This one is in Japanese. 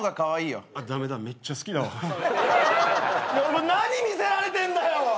いや何見せられてんだよ！